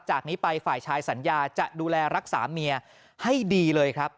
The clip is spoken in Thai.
จากนี้ไปฝ่ายชายสัญญาจะดูแลรักษาเมียให้ดีเลยครับ